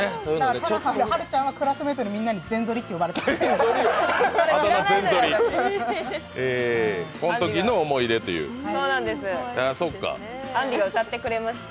はるちゃんはクラスメートのみんなに全ぞりって言われてました。